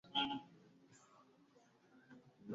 musuzume n’uko mwabyitwaramo